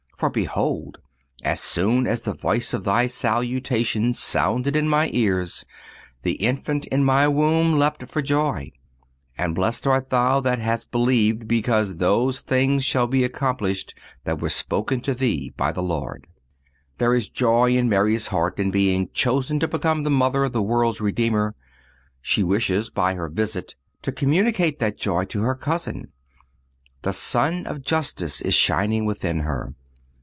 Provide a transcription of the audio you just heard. For behold, as soon as the voice of thy salutation sounded in my ears, the infant in my womb leaped for joy. And blessed art thou that hast believed, because those things shall be accomplished that were spoken to thee by the Lord."(246) There is joy in Mary's heart in being chosen to become the mother of the world's Redeemer. She wishes by her visit to communicate that joy to her cousin. The Sun of Justice is shining within her.